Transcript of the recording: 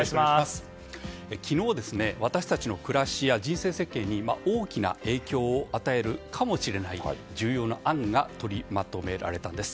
昨日、私たちの暮らしや人生設計に、大きな影響を与えるかもしれない重要な案が取りまとめられたんです。